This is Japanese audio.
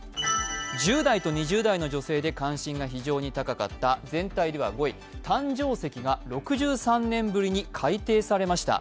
１０代と２０代の女性で関心が非常に高かった、全体では５位、誕生石が６３年ぶりに改訂されました。